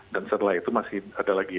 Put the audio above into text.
dan setelah itu masih ada lagi